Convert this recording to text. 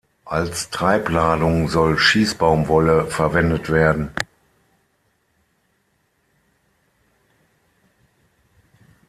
Als Treibladung soll Schießbaumwolle verwendet werden.